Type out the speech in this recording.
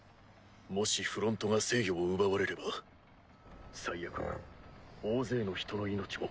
もしフロントが制御を奪われれば・最悪大勢の人の命を。